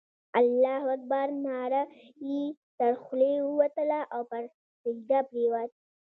الله اکبر ناره یې تر خولې ووتله او پر سجده پرېوت.